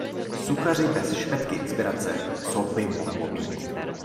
Suchaři bez špetky inspirace co by mohlo být.